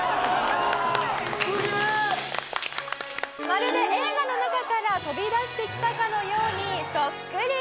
まるで映画の中から飛び出してきたかのようにそっくり！